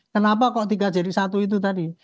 kenapa kok tiga jadi satu itu tadi